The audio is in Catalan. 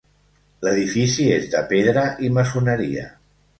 L'edifici és de pedra i maçoneria.